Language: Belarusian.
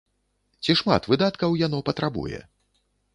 Ці шмат выдаткаў яно патрабуе?